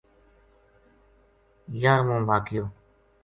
یارووں واقعو